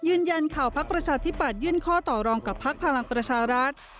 ยืนยันข่าวพักประชาธิปัตยื่นข้อต่อรองกับพักพลังประชารัฐ